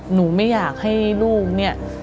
หนูไม่อยากให้ลูกเนี่ย